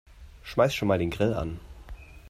Schmeiß schon mal den Grill an.